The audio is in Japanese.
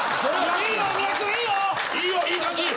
いいよいい感じ！